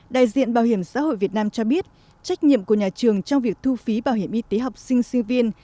bộ y tế bảo hiểm xã hội việt nam cho biết trách nhiệm của nhà trường trong việc thu phí bảo hiểm y tế học sinh sinh viên